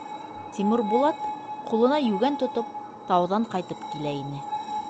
Тимербулат, ҡулына йүгән тотоп, тауҙан ҡайтып килә ине.